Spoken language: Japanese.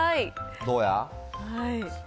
どうや？